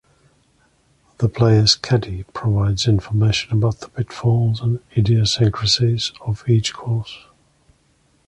The player's caddie provides information about the pitfalls and idiosyncrasies of each course.